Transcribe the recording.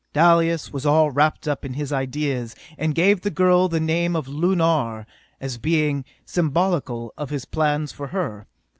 Dalis was all wrapped up in his ideas, and gave the girl the name of Lunar, as being symbolical of his plans for her.